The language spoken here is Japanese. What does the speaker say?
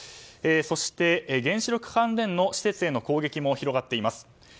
そして原子力関連施設への攻撃も広がっています。